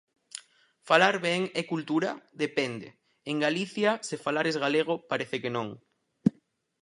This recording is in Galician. Falar ben é cultura? Depende... en Galicia, se falares galego, parece que non